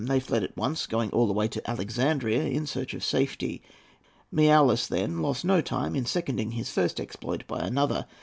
They fled at once, going all the way to Alexandria in search of safety. Miaoulis then lost no time in seconding his first exploit by another.